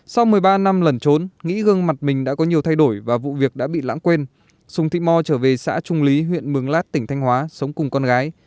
sau một mươi ba năm lẩn trốn nghĩ gương mặt mình đã có nhiều thay đổi và vụ việc đã bị lãng quên sùng thị mo trở về xã trung lý huyện mường lát tỉnh thanh hóa sống cùng con gái